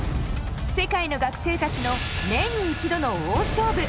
世界の学生たちの年に一度の大勝負！